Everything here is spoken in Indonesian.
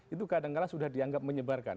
itu kadang kadang sudah dianggap menyebarkan